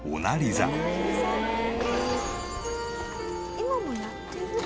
今もやってる？